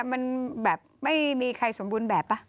มันแบบไม่มีใครสมบูรณ์แบบป่ะ